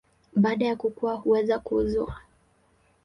Baada ya kukua huweza kuuzwa.